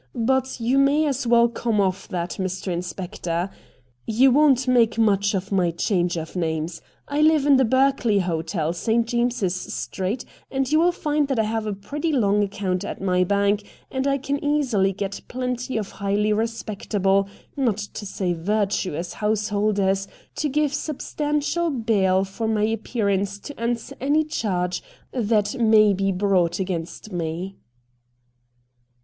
But you may as well come off that, Mr. Inspector — you 120 RED DIAMONDS won't make much of my change of names. I Uve in the Berkeley Hotel, St. James's Street, and you will find that I have a pretty long account at my bank, and I can easily get plenty of highly respectable, not to say vir tuous, householders to give substantial bail for my appearance to answer any charge that may be brought against me.'